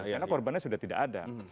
karena korbannya sudah tidak ada